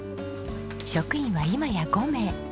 職員は今や５名。